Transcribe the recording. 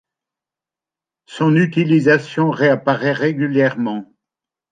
Son utilisation réapparaît régulièrement.